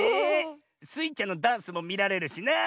スイちゃんのダンスもみられるしなあ。